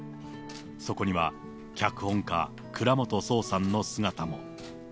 そこには、脚本家、倉本聰さんの姿も。